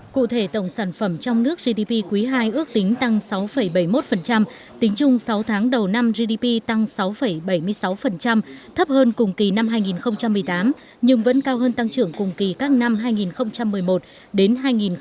cụ thể tổng sản phẩm trong nước gdp quý ii ước tính tăng sáu bảy mươi một tính chung sáu tháng đầu năm gdp tăng sáu bảy mươi sáu thấp hơn cùng kỳ năm hai nghìn một mươi tám nhưng vẫn cao hơn tăng trưởng cùng kỳ các năm hai nghìn một mươi một đến hai nghìn một mươi bảy